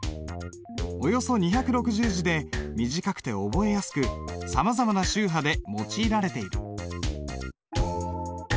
およそ２６０字で短くて覚えやすくさまざまな宗派で用いられている。